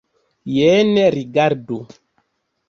Jen rigardu!